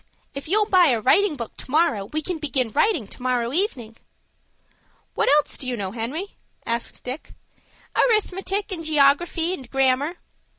If you'll buy a writing book to morrow, we can begin writing to morrow evening." "What else do you know, Henry?" asked Dick. "Arithmetic, and geography, and grammar."